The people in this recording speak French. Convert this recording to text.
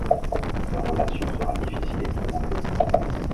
Leur relation sera difficile et tourmentée.